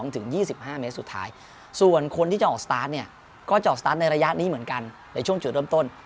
ถึง๒๕เมตรสุดท้ายส่วนคนที่จะออกสตาร์ทเนี่ยก็จะออกสตาร์ทในระยะนี้เหมือนกันในช่วงจุดเริ่มต้น